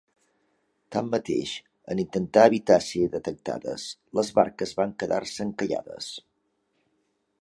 Tanmateix, en intentar evitar ser detectades, les barques van quedar-se encallades.